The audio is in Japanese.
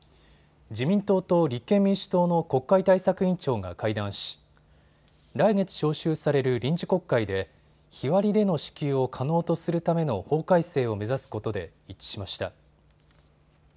自民党と立憲民主党の国会対策委員長が会談し来月召集される臨時国会で日割りでの支給を可能とするための法改正を目指すことで一致しました。